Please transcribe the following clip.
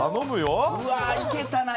うわいけたな